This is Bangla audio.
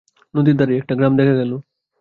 নদীর ধারেই একটা গ্রাম দেখা গেল।